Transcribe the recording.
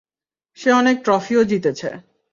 সে অনেক ট্রফিও জিতেছে।